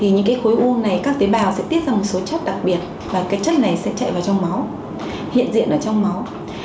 những khối u này các tế bào sẽ tiết ra một số chất đặc biệt và chất này sẽ chạy vào trong máu hiện diện ở trong máu